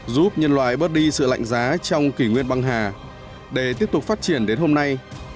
giúp nhân loại bớt đi sự lạnh giá trong kỷ nguyên băng hà để tiếp tục phát triển đến hôm nay